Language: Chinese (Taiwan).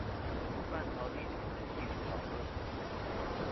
半導體製程技術導論